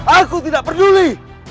aku tidak peduli